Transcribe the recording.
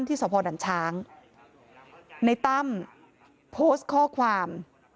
สพดันช้างในตั้มโพสต์ข้อความ